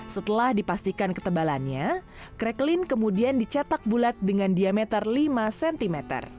setelah dipastikan ketebalannya crequin kemudian dicetak bulat dengan diameter lima cm